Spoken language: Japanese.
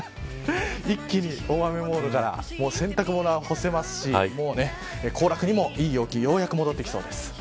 一気に大雨モードから洗濯物が干せますし行楽にもいい陽気ようやく戻ってきそうです。